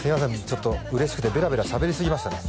ちょっと嬉しくてべらべらしゃべりすぎましたね